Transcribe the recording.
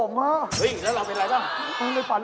หึยแล้วเรามันเป็นอะไรบ้าง